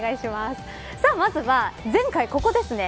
まずは、前回ここですね